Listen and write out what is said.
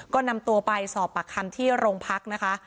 ก็นำตัวไปสอบปากคำที่โรงพักนะคะ